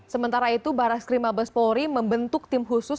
sementara itu baras krimabes polri membentuk tim khusus